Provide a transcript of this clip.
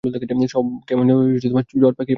সব কেমন জট পাকিয়ে গেছে।